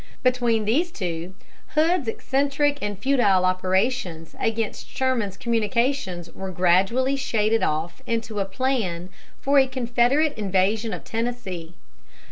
Between these two Hood's eccentric and futile operations against Sherman's communications were gradually shaded off into a plan for a Confederate invasion of Tennessee.